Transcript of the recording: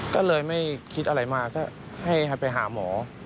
ก็เลยไม่คิดอะไรมากก็ให้ไปหาหมอ